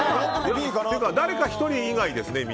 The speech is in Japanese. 誰か１人以外ですね。